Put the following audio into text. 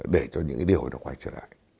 để cho những điều đó quay trở lại